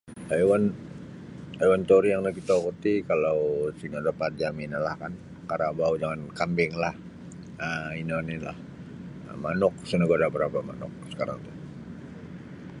Haiwan haiwan tauri yang nakitoku ti kalau sino da paat jami no lah kan karabau jangan kambinglah um ino oni'lah manuk sa nogu ada' barapa' manuk sakarang ti.